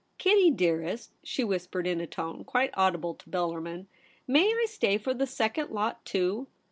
' Kitty, dearest,' she whispered in a tone quite audible to Bellarmin, ' may I stay for the second lot too